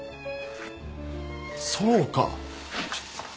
そうか。